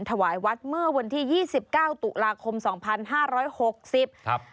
ถวายวัดเมื่อวันที่๒๙ตุลาคม๒๕๖๐บาท